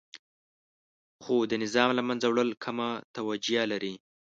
خو د نظام له منځه وړل کمه توجیه لري.